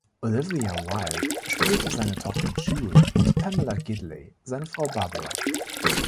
Olivia Wilde spielte seine Tochter Jewel und Pamela Gidley seine Frau Barbara.